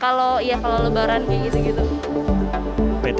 kalau ya kalau lebaran kayak gitu gitu